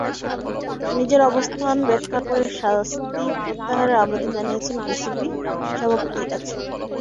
নিজের অবস্থান ব্যাখ্যা করে শাস্তি প্রত্যাহারের আবেদন জানিয়েছেন বিসিবি সভাপতির কাছে।